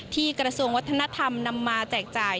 กระทรวงวัฒนธรรมนำมาแจกจ่าย